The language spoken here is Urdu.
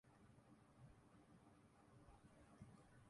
کو پامال کرکے اپنے عہد اقتدار میں تو اضافہ کر سکتے ہیں